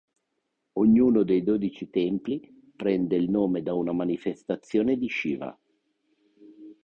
Ognuno dei dodici templi prende il nome da una manifestazione di Shiva.